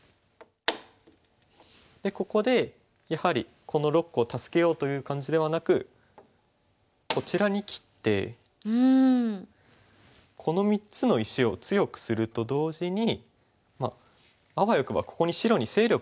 でここでやはりこの６個を助けようという感じではなくこちらに切ってこの３つの石を強くすると同時にあわよくばここに白に勢力を築ければということが